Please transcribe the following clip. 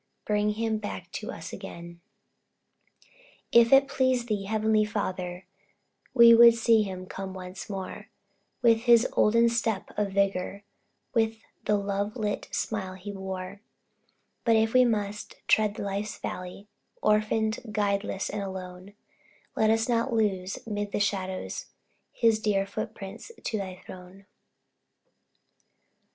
Bring him back to us again! If it please thee, Heavenly Father, We would see him come once more, With his olden step of vigor, With the love lit smile he wore; But if we must tread Life's valley, Orphaned, guideless, and alone, Let us lose not, 'mid the shadows, His dear footprints to thy Throne.